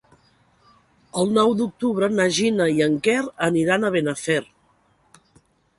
El nou d'octubre na Gina i en Quer aniran a Benafer.